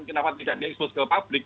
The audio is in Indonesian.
kenapa tidak di expose ke publik